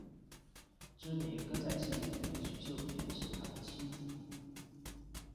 知名歌仔戏演员许秀年是他的妻子。